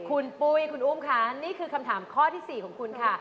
คุณปุ้ยคุณอุ้มค่ะนี่คือคำถามข้อที่๔ของคุณค่ะ